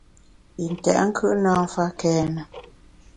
Yi ntèt nkùt na mfa kène.